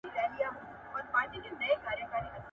د هر بشر همغږي د ټولنیز جوړښت د موثریت د پوهاوي لپاره مهمه ده.